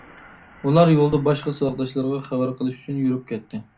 ئۇلار يولدا باشقا ساۋاقداشلىرىغا خەۋەر قىلىش ئۈچۈن يۈرۈپ كەتتى.